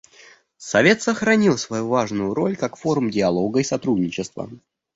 Совет сохранил свою важную роль как форум диалога и сотрудничества.